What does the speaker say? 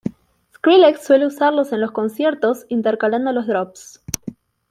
Skrillex suele usarlos en los conciertos intercalando los drops.